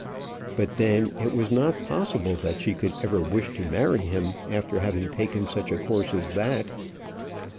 But then it was not possible that she could ever wish to marry him after having taken such a course as that.